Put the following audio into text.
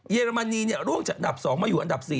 อรมนีร่วงจากอันดับ๒มาอยู่อันดับ๔